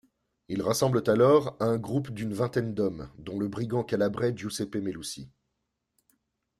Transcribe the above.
Ils rassemblent alors un groupe d'une vingtaine d'hommes dont le brigand calabrais Giuseppe Melusi.